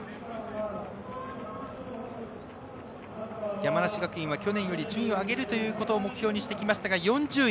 山梨学院は去年より順位を上げることを目標にしてきましたが４０位。